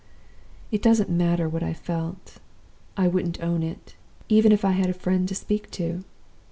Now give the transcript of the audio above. It doesn't matter what I felt I wouldn't own it, even if I had a friend to speak to.